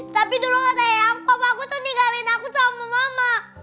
tapi dulu kata ayang papa aku tuh tinggalin aku sama mama